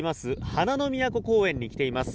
花の都公園に来ています。